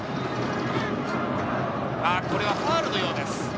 これはファウルのようです。